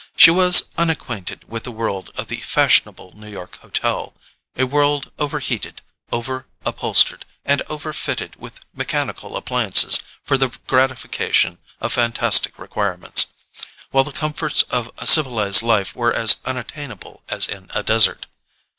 She was unacquainted with the world of the fashionable New York hotel—a world over heated, over upholstered, and over fitted with mechanical appliances for the gratification of fantastic requirements, while the comforts of a civilized life were as unattainable as in a desert.